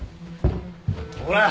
ほら！